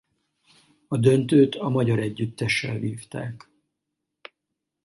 A döntőt a magyar együttessel vívták.